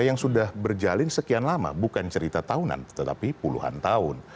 yang sudah berjalin sekian lama bukan cerita tahunan tetapi puluhan tahun